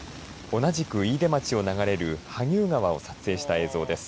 同じく飯豊町を流れる萩生川を撮影した映像です。